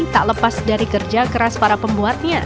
tak lepas dari kerja keras para pembuatnya